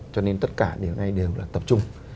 cho nên tất cả điều này đều là tập trung